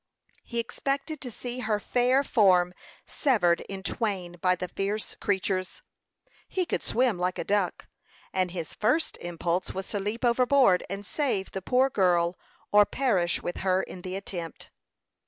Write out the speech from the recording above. He expected to see her fair form severed in twain by the fierce creatures. He could swim like a duck, and his first impulse was to leap overboard, and save the poor girl or perish with her in the attempt.